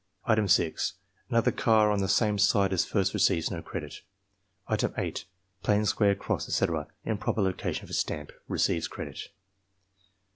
Item 6, — ^Another ear on same side as first receives no credit. Item 8. — Plain square, cross, etc., in proper location for stamp, receives credit.